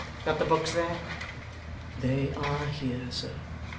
Got the books there?' 'They are here, sir.